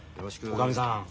おかみさん